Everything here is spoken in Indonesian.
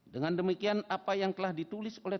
dengan demikian apa yang telah ditulis oleh